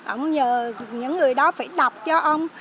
ông nhờ những người đó phải đọc cho ông